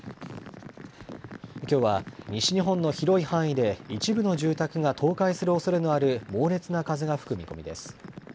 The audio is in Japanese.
きょうは西日本の広い範囲で、一部の住宅が倒壊するおそれのある猛烈な風が吹く見込みです。